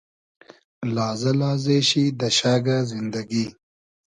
لازۂ لازې شی دۂ شئگۂ زیندئگی